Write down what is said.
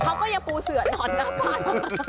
เขาก็อย่าปูเสือนอนหน้าภาย